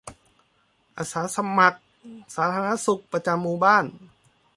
อาสาสมัครสาธารณสุขประจำหมู่บ้าน